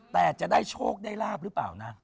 แต่จะได้โชคได้ลาบหรือเปล่านะ